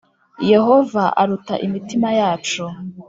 Yehova aruta imitima yacu